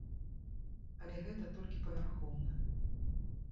Але гэта толькі павярхоўна.